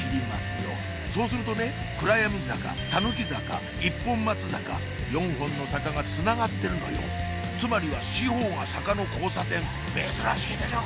よそうするとね暗闇坂狸坂一本松坂４本の坂がつながってるのよつまりは四方が坂の交差点珍しいでしょう